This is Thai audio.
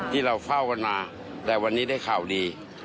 ที่เราเฝ้ากันมาแต่วันนี้ได้ข่าวดี